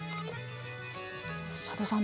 佐渡さん